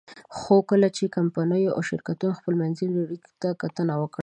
خو کله چې کمپنیو او شرکتونو خپلمنځي اړیکو ته کتنه وکړه.